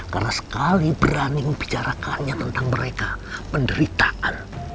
karena sekali berani membicarakannya tentang mereka penderitaan